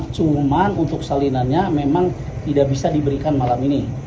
cuman untuk salinannya memang tidak bisa dibayangkan